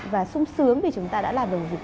và sung sướng vì chúng ta đã làm được